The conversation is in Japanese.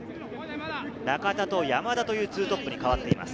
中田と山田という２トップに代わっています。